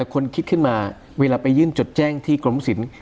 คนคิดขึ้นมาเวลาไปยื่นจดแจ้งที่กรมศิลป